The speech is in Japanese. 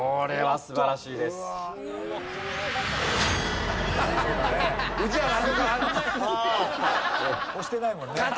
押してないもんね。